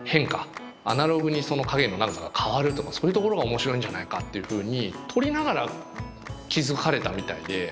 アナログにその影の長さが変わるとかそういうところが面白いんじゃないかっていうふうに撮りながら気付かれたみたいで。